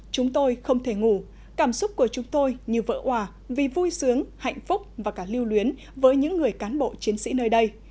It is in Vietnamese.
chúng tôi không thể ngủ cảm xúc của chúng tôi như vỡ hòa vì vui sướng hạnh phúc và cả lưu luyến với những người cán bộ chiến sĩ nơi đây